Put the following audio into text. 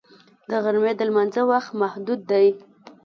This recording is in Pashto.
د غرمې د لمانځه وخت محدود دی